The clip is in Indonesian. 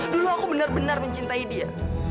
dulu aku benar benar mencintai dia